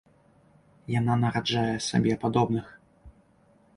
Яна нараджае сабе падобных.